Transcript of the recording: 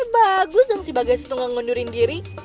bagus dong si bagas itu gak ngundurin diri